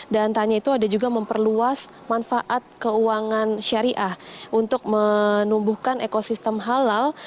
dan tanya itu ada juga memperluas manfaat keuangan syariah untuk menumbuhkan ekosistem halal